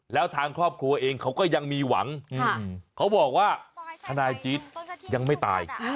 แล้วทางครอบครัวเองเขาก็ยังมีหวังเขาบอกว่าทนายจี๊ดยังไม่ตาย